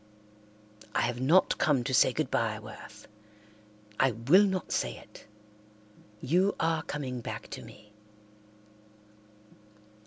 "I have not come to say goodbye, Worth. I will not say it. You are coming back to me."